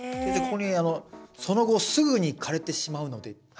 ここに「その後すぐに枯れてしまうので」っていうのは？